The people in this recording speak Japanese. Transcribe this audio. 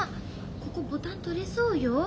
ここボタン取れそうよ。